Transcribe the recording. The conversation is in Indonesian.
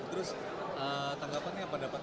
terus tanggapannya apa dapat